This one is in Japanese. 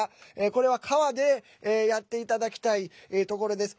これは川でやっていただきたいところです。